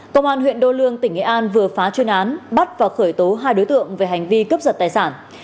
công an huyện đô lương tỉnh nghệ an vừa phá chuyên án bắt và khởi tố hai đối tượng về hành vi cướp giật tài sản